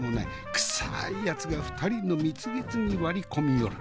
クサいやつが２人の蜜月に割り込みよる。